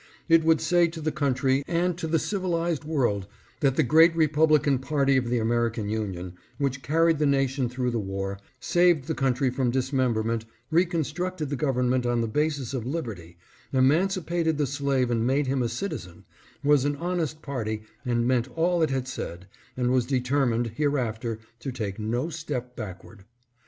It would say to the country and to the civilized world that the great Republican party of the American Union, which carried the nation through the war, saved the country from dismemberment, recon structed the Government on the basis of liberty, eman cipated the slave and made him a citizen, was an honest party, and meant all it had said, and was determined 632 DISTRUST OF THE VICE PRESIDENT. hereafter to take no step backward.